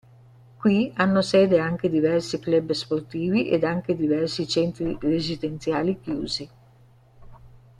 Qui hanno sede anche diversi club sportivi ed anche diversi centri residenziali chiusi.